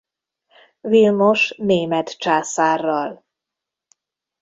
Vilmos német császárral.